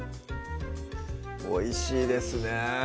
おいしいですね